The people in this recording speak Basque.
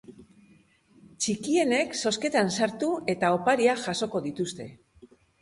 Txikienek zozketan sartu eta opariak jasoko dituzte.